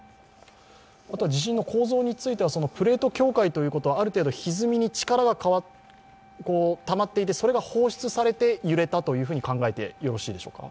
地震の構造については、プレート境界ということは、ある程度、ひずみに力がたまっていて、それが放出されて揺れたと考えてよろしいですか？